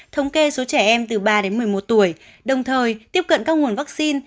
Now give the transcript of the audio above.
thống kê số trẻ em từ ba đến một mươi một tuổi đồng thời tiếp cận các nguồn vaccine